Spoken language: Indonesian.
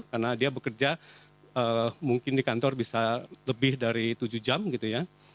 karena dia bekerja mungkin di kantor bisa lebih dari tujuh jam gitu ya